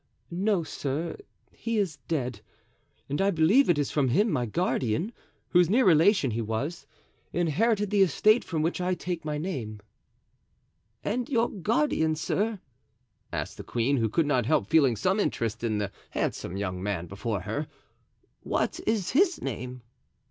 "No, sir, he is dead; and I believe it is from him my guardian, whose near relation he was, inherited the estate from which I take my name." "And your guardian, sir," asked the queen, who could not help feeling some interest in the handsome young man before her, "what is his name?"